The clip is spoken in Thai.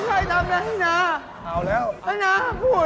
ผมใช่ทำนั่นที่นา